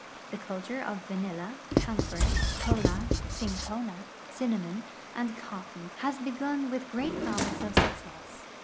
The culture of vanilla, camphor, kola, cinchona, cinnamon, and coffee has begun with great promise of success.